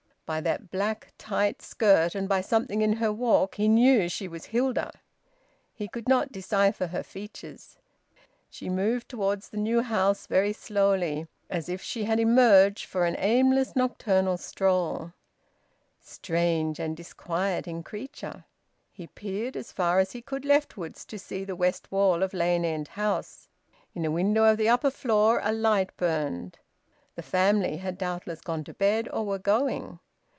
By that black, tight skirt and by something in her walk he knew she was Hilda; he could not decipher her features. She moved towards the new house, very slowly, as if she had emerged for an aimless nocturnal stroll. Strange and disquieting creature! He peered as far as he could leftwards, to see the west wall of Lane End House. In a window of the upper floor a light burned. The family had doubtless gone to bed, or were going...